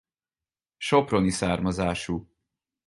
Soproni származású.